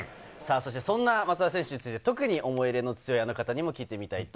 そんな松田選手について特に思い入れの強い、あの方にも聞いてみましょう。